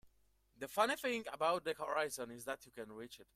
The funny thing about the horizon is that you can't reach it.